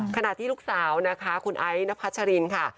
ขณะที่ลูกสาวนะคะคุณไอ้นพัชรินค่ะ